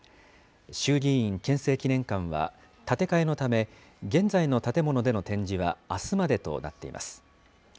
衆議院憲政記念館は、建て替えのため、現在の建物での展示はあすまでとなっています。